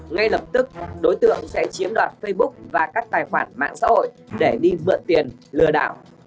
ngay lập tức đối tượng sẽ chiếm đoạt facebook và các tài khoản mạng xã hội để đi mượn tiền lừa đảo